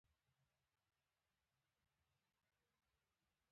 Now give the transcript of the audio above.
لیکوال دیموکراسي معنا باور دی.